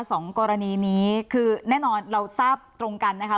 สองกรณีนี้คือแน่นอนเราทราบตรงกันนะคะ